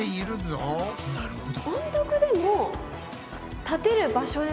なるほど。